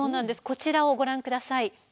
こちらをご覧下さい。